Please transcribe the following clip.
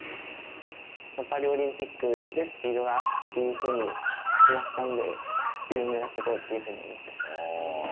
パリオリンピックでスピードがっていうふうに決まったんで、スピード狙っていこうっていうふうに思ってます。